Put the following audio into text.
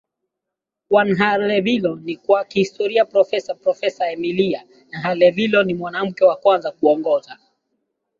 kwa Nhalevilo ni kwa kihistoriaProfessa Profesa Emília Nhalevilo ni mwanamke wa kwanza kuongoza